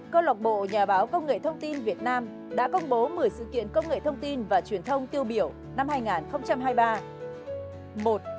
cơ lộc bộ nhà báo công nghệ thông tin việt nam đã công bố một mươi sự kiện công nghệ thông tin và truyền thông tiêu biểu năm hai nghìn hai mươi ba